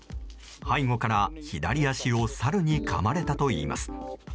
背後から左足をサルにかまれたといいます。